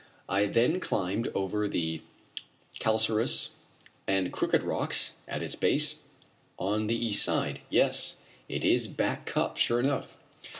I then climbed over the calcareous and crooked rocks at its base on the east side. Yes, it is Back Cup, sure enough!